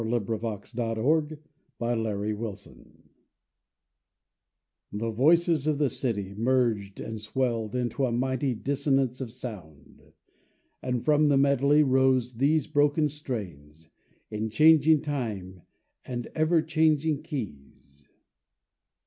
THE VOICES OF THE CITY The voices of the city—merged and swelled Into a mighty dissonance of sound, And from the medley rose these broken strains In changing time and ever changing keys.